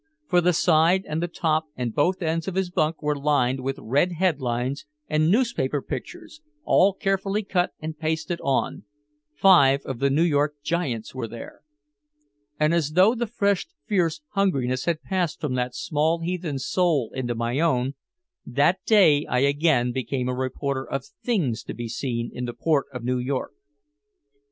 For the side and the top and both ends of his bunk were lined with red headlines and newspaper pictures all carefully cut and pasted on. Five of the New York "Giants" were there. And as though the fresh fierce hungriness had passed from that small heathen's soul into my own, that day I again became a reporter of things to be seen in the port of New York.